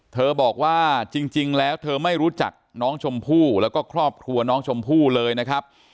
บอกว่าจริงแล้วเธอไม่รู้จักน้องชมพู่แล้วก็ครอบครัวน้องชมพู่เลยนะครับ